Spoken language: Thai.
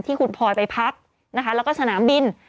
ที่คุณพลอยไปพักนะคะแล้วก็สนามบิน